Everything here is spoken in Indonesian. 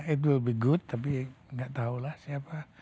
it will be good tapi gak tahulah siapa